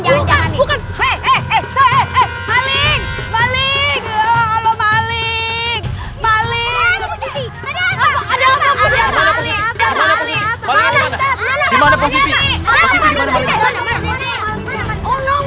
jangan jangan bukan eh eh eh eh eh maling maling maling maling